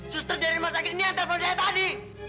suster dari rumah sakit ini yang telpon saya tadi